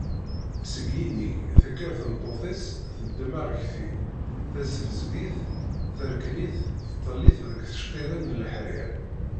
Seg yinig, tekker tmeṭṭut-is, teddem arekti, tessebzeg-it, terekn-it, tettel-it deg tceṭṭiḍin n leḥrir.